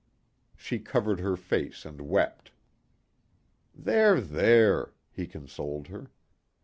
She covered her face and wept. "There, there," he consoled her.